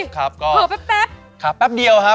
ก็เผื่อแป๊บ